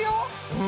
うん。